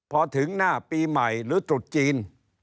พอถึงหน้าปีใหม่หรือตรุษจีน